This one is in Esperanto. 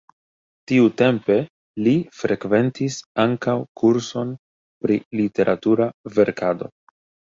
Tiutempe li frekventis ankaŭ kurson pri literatura verkado.